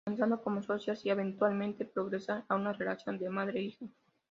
Comenzando como socias y eventualmente progresar a una relación de madre-hija.